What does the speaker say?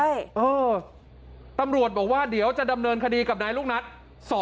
เออตำรวจบอกว่าเดี๋ยวจะดำเนินคดีกับนายลูกนัท